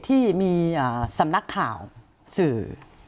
ที่มีสำนักข่าวสื่อ